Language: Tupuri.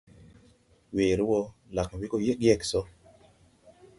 Weere wɔ, lag we go yeg yeg sɔ.